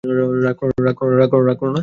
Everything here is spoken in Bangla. রাগ করো না।